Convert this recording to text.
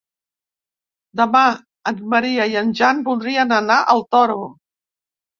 Demà en Maria i en Jan voldrien anar al Toro.